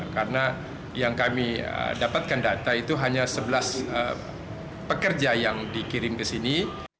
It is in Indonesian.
karena yang kami dapatkan data itu hanya sebelas pekerja yang dikirim ke sini